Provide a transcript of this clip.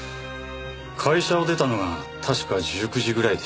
会社を出たのが確か１９時ぐらいでした。